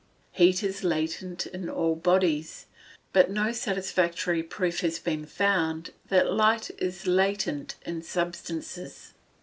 Heat is latent in all bodies, but no satisfactory proof has been found that light is latent in substances.